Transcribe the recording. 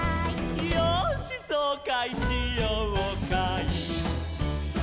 「よーしそうかいしようかい」